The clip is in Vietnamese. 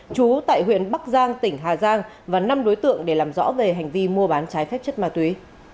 chú tại huyện bắc giang tỉnh hà giang và năm đối tượng để làm rõ về hành vi mua bán trái phép chất ma túy